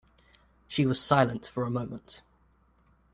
She was silent for a moment.